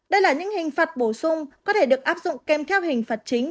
đây là những hình phạt bổ sung có thể được áp dụng kèm theo hình phạt chính